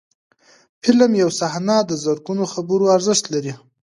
د فلم یو صحنه د زرګونو خبرو ارزښت لري.